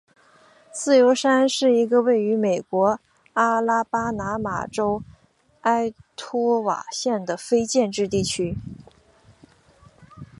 自由山是一个位于美国阿拉巴马州埃托瓦县的非建制地区。